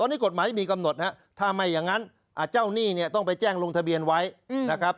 นี่กฎหมายมีกำหนดนะครับถ้าไม่อย่างนั้นเจ้าหนี้เนี่ยต้องไปแจ้งลงทะเบียนไว้นะครับ